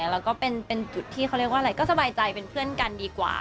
แล้วก็เป็นจุดที่เขาเรียกว่าอะไรก็สบายใจเป็นเพื่อนกันดีกว่า